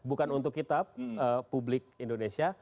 bukan untuk kita publik indonesia